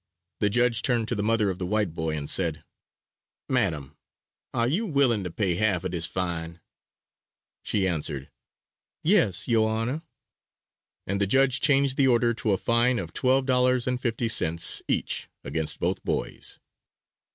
The judge turned to the mother of the white boy and said, "Madam, are you willing to pay half of this fine?" She answered, "Yes, Your Honor." And the judge changed the order to a fine of $12.50 each, against both boys.